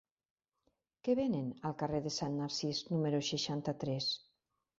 Què venen al carrer de Sant Narcís número seixanta-tres?